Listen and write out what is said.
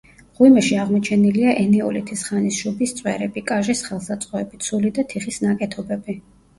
მღვიმეში აღმოჩენილია ენეოლითის ხანის შუბის წვერები, კაჟის ხელსაწყოები, ცული და თიხის ნაკეთობები.